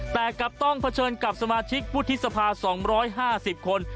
แต่กลับต้องเผชิญกับสมาชิกวุฒิสภา๒๕๐คน